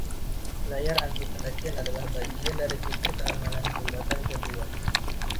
Layar anti-pendakian adalah bagian dari fitur keamanan jembatan kedua.